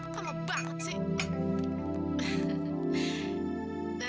kamu banget sih